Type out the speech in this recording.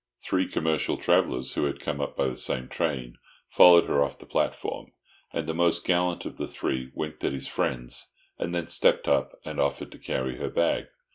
Three commercial travellers, who had come up by the same train, followed her off the platform, and the most gallant of the three winked at his friends, and then stepped up and offered to carry her bag.